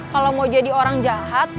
kalau mau jadi orang jahat